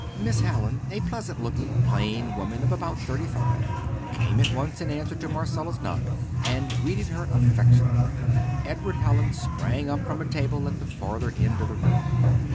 Miss Hallin, a pleasant looking, plain woman of about thirty five, came at once in answer to Marcella's knock, and greeted her affectionately. Edward Hallin sprang up from a table at the further end of the room.